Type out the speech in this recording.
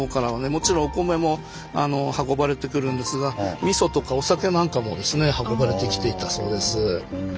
もちろんお米も運ばれてくるんですがみそとかお酒なんかもですね運ばれてきていたそうです。